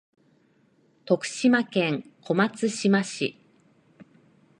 徳島県小松島市